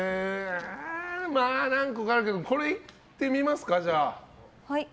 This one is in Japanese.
何個かあるけどこれいってみますか。